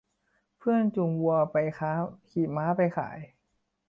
เพื่อนจูงวัวไปค้าขี่ม้าไปขาย